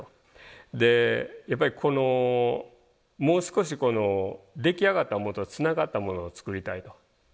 でやっぱりこのもう少しこの出来上がったものとつながったものを作りたいと。